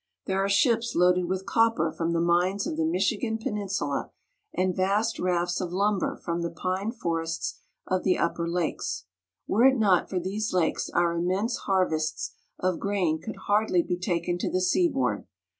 There are ships loaded with copper from the mines of the Michigan peninsula, and vast rafts of lumber from the pine forests of the upper lakes. Were it not for these lakes our immense harvests of grain could hardly be taken to the seaboard.